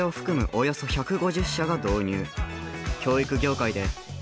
およそ１５０社が導入。